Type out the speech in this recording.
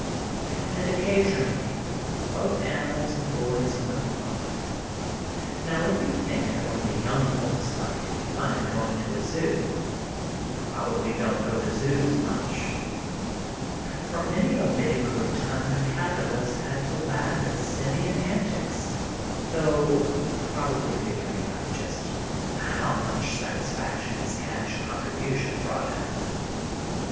And, occasionally, both animal and boy won a point! Now if you think that only young folks find any fun in going to a zoo, you probably don't go to zoos much; for many a big, rotund capitalist had to laugh at simian antics, though, probably figuring up just how much satisfaction his cash contribution brought him.